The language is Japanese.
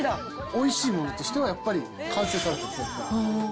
おいしいものとしてはやっぱり、完成されてる。